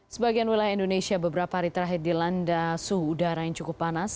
sebagian wilayah indonesia beberapa hari terakhir dilanda suhu udara yang cukup panas